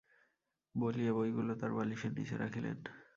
বলিয়া বইগুলা তাঁর বালিশের নীচে রাখিলেন।